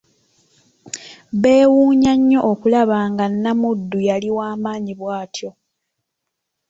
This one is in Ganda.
Beewunya nnyo okulaba nga Namuddu yali wamaanyi bwatyo.